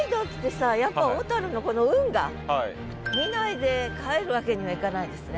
さやっぱ小のこの運河見ないで帰るわけにはいかないですね。